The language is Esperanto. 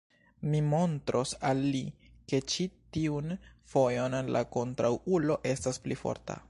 Mi montros al li, ke ĉi tiun fojon la kontraŭulo estas pli forta.